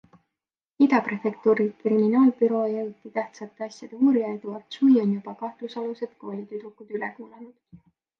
Ida prefektuuri kriminaalbüroo eriti tähtsate asjade uurija Eduard Sui on juba kahtlusalused koolitüdrukud üle kuulanud.